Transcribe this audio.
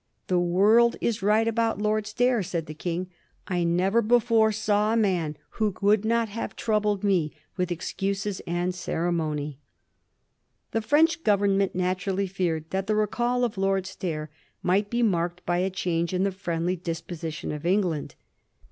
^ The world is right about Lord Stair,' said the King ;* I never before saw a man who would not have troubled me with excuses and ceremony.' The French Government naturally feared that the recall of Lord Stair might be marked by a change in the friendly disposition of England.